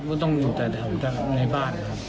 ก็ต้องอยู่ในบ้านครับ